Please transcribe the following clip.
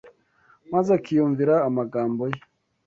maze akiyumvira amagambo ye